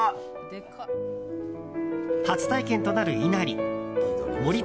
初体験となる、いなり。